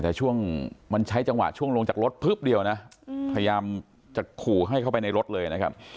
แต่ช่วงมันใช้จังหวะช่วงลงจากรถพึบเดียวนะพยายามจะขู่ให้เข้าไปในรถเลยนะครับ